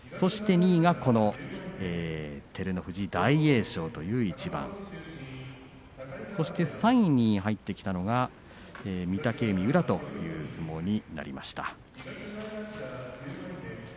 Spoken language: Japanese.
２位が照ノ富士、大栄翔という一番３位に入ってきたのが御嶽海、宇良という相撲になりました。